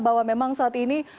bahwa memang saat ini